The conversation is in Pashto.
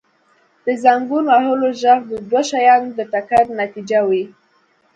• د زنګون وهلو ږغ د دوو شیانو د ټکر نتیجه وي.